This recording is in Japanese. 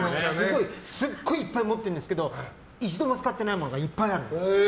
すごいいっぱい持ってるんですけど一度も使ってないものがいっぱいある。